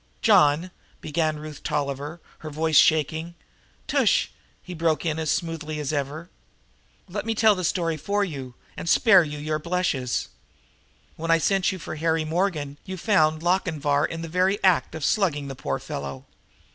"John " began Ruth Tolliver, her voice shaking. "Tush," he broke in as smoothly as ever. "Let me tell the story for you and spare your blushes. When I sent you for Harry Morgan you found Lochinvar in the very act of slugging the poor fellow.